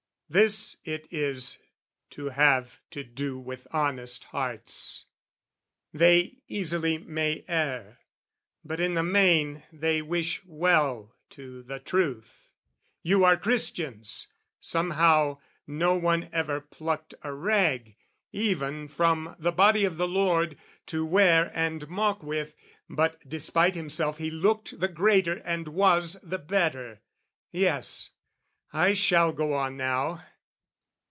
This it is to have to do With honest hearts: they easily may err, But in the main they wish well to the truth. You are Christians; somehow, no one ever plucked A rag, even, from the body of the Lord, To wear and mock with, but, despite himself, He looked the greater and was the better. Yes, I shall go on now.